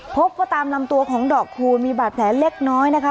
พบว่าตามลำตัวของดอกคูณมีบาดแผลเล็กน้อยนะคะ